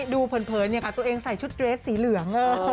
ดูเพลินอย่างกันตัวเองใส่ชุดเตรสสีเหลือง